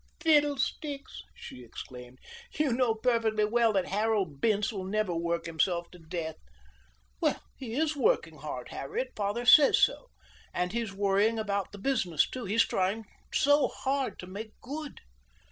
"Oh, fiddlesticks!" she exclaimed. "You know perfectly well that Harold Bince will never work himself to death." "Well, he is working hard, Harriet. Father says so. And he's worrying about the business, too. He's trying so hard to make good."